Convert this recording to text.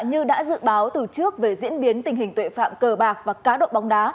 như đã dự báo từ trước về diễn biến tình hình tội phạm cờ bạc và cá độ bóng đá